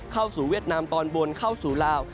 เวียดนามตอนบนเข้าสู่ลาว